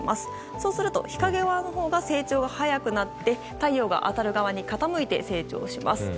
そうすると、日陰側のほうが成長が早くなって太陽が当たる側に傾いて成長します。